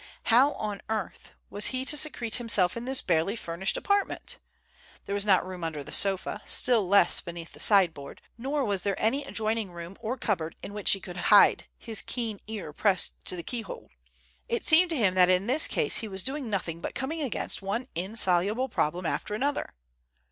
How on earth was he to secrete himself in this barely furnished apartment? There was not room under the sofa, still less beneath the sideboard. Nor was there any adjoining room or cupboard in which he could hide, his keen ear pressed to the keyhole. It seemed to him that in this case he was doing nothing but coming up against one insoluble problem after another.